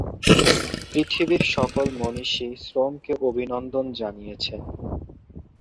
পৃথিবীর সকল মনীষীই শ্রমকে অভিনন্দন জানিয়েছেন।